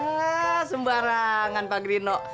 ya sembarangan pak grino